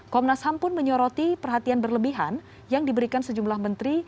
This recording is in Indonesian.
komnas ham pun menyoroti perhatian berlebihan yang diberikan sejumlah menteri